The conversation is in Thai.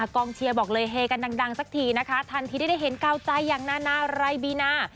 กองเชียร์บอกเลยเฮกันดังสักทีนะคะทันทีที่ได้เห็นกาวใจอย่างนานาไรบีนา